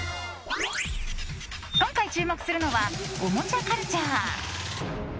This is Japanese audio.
今回注目するのはおもちゃカルチャー。